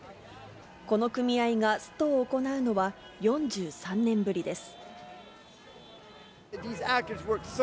この組合がストを行うのは４３年ぶりです。